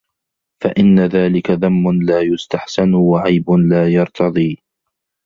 فَإِنَّ ذَلِكَ ذَمٌّ لَا يُسْتَحْسَنُ وَعَيْبٌ لَا يَرْتَضِي